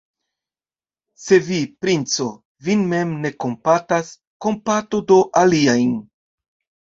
Se vi, princo, vin mem ne kompatas, kompatu do aliajn!